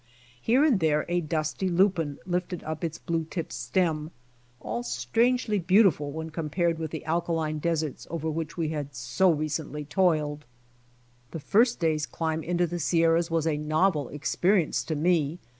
Here and there a dusty lupine lifted* up its blue tipped stem, all strangely beautiful when compared with the alkaline deserts over which we had so recently toiled. This first day's climb into the Sierras was a novel experience to me.